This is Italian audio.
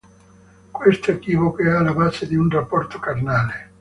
Questo equivoco è alla base di un rapporto carnale.